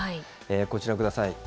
こちら、ご覧ください。